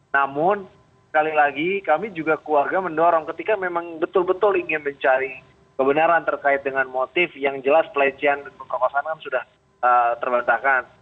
namun sekali lagi kami juga keluarga mendorong ketika memang betul betul ingin mencari kebenaran terkait dengan motif yang jelas pelecehan dan pengkokosan kan sudah terbantahkan